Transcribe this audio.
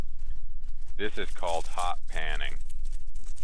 This is called "hot panning".